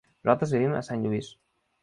Nosaltres vivim a Sant Lluís.